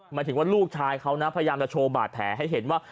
หมายถึงว่าลูกชายเขานะพยายามจะโชว์บาดแผลให้เห็นว่า